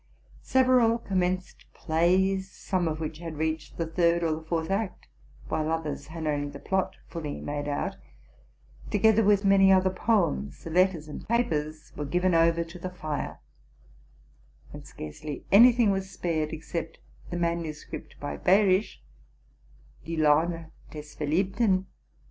Several com menced plays, some of which had reached the third or the fourth act, while others had only the plot fully made out, together with many other poems, letters, and papers, were given over to the fire: and scarcely any thing was spared except the manuscript by Behrisch, '' Die Laune des Verlieb ten"?